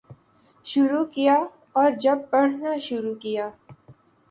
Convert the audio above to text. شروع کیا اور جب پڑھنا شروع کیا